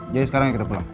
jadi sekarang kita pulang